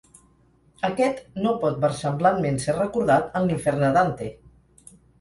Aquest no pot versemblantment ser recordat en l'Infern de Dante.